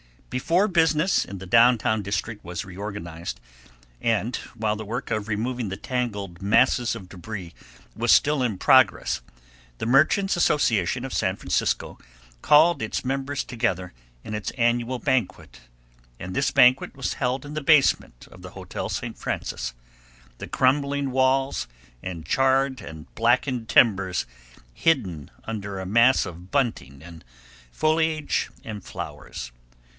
Before business in the down town district was reorganized, and while the work of removing the tangled masses of debris was still in progress the Merchants Association of San Francisco called its members together in its annual banquet, and this banquet was held in the basement of the Hotel St. Francis, the crumbling walls, and charred and blackened timbers hidden under a mass of bunting and foliage and flowers.